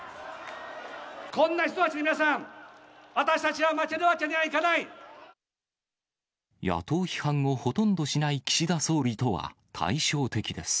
こんな人たちに皆さん、野党批判をほとんどしない岸田総理とは対照的です。